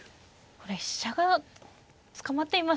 これ飛車が捕まっていますね。